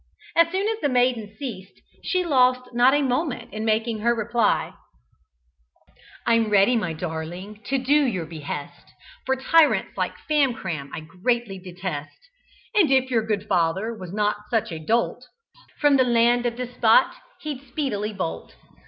As soon as the maiden ceased, she lost not a moment in making her reply: "I'm ready, my darling, to do your behest, For tyrants like Famcram I greatly detest, And if your good father was not such a dolt, From the land of the despot he'd speedily bolt.